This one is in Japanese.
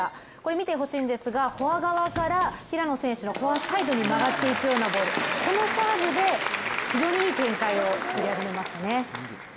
見てほしいんですが、フォア側から平野選手のフォアサイドに曲がっていくようなボールこのサーブで非常にいい展開を作り始めましたね。